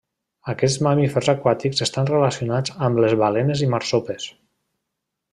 Aquests mamífers aquàtics estan relacionats amb les balenes i marsopes.